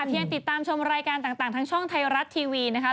เที่ยงติดตามชมรายการต่างทางช่องไทยรัฐทีวีนะคะ